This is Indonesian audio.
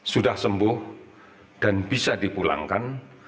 sudah sembuh dan bisa dipulangkan